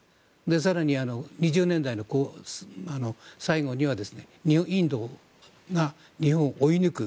更に、２０年代の最後にはインドが日本を追い抜く。